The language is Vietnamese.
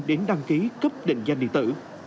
đến đăng ký cấp định danh điện tử